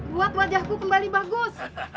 buat wajahku kembali bagus